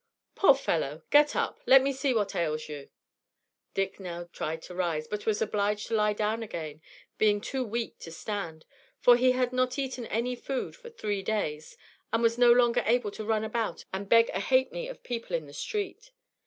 "Poor fellow, get up; let me see what ails you." Dick now tried to rise, but was obliged to lie down again, being too weak to stand, for he had not eaten any food for three days, and was no longer able to run about and beg a halfpenny of people in the street.